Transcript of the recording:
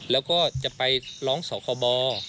แล้วก็จะไปร้องสคบ